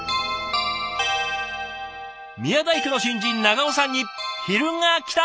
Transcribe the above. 宮大工の新人長尾さんに昼がきた。